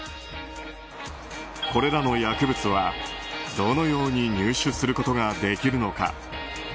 これらの薬物は、どのように入手することができるのか。